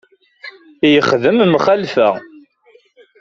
Yexdem mxalfa.